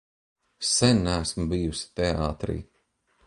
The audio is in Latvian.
Sen neesmu bijusi te?tr?.